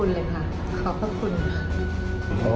แล้วก็ขอบคุณเลยค่ะ